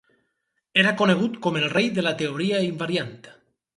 Era conegut com "el rei de la teoria invariant".